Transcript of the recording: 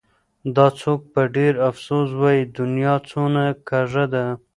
دا څوک په ډېر افسوس وايي : دنيا څونه کږه ده